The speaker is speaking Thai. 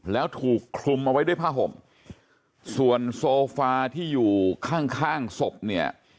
แล้วถูกคลุมเอาไว้ด้วยผ้าห่มส่วนโซฟาที่อยู่ข้างข้างศพเนี่ย